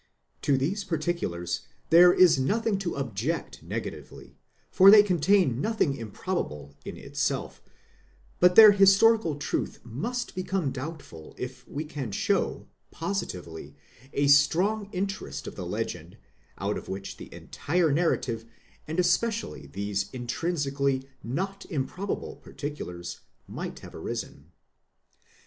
To these particulars there is nothing to object negatively, for they contain nothing improbable in itself; but their historical truth must become doubtful if we can show, positively, a strong interest of the legend, out of which the entire narrative, and especially these intrinsically not improbable particulars, might have arisen.